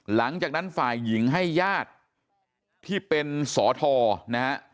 หลังจากนั้นฝ่ายหญิงให้ญาติที่เป็นสอทนะฮะ